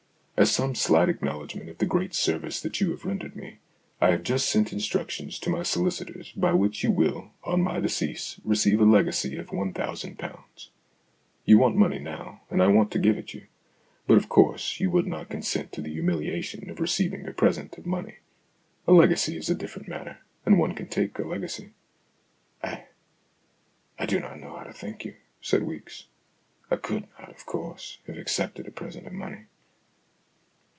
As some slight acknowledgment of the great service that you have rendered me, I have just sent instructions to my solicitors by which you will, on my decease, receive a legacy of one thousand pounds. You want money now, and I want to give it you, but of course you would not consent to the humiliation of receiving a present of money. A legacy is a different matter ; and one can take a legacy." " I I do not know how to thank you," said Weeks. " I could not, of course, have accepted a present of money."